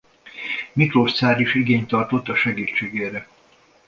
Miklós cár is igényt tartott a segítségére.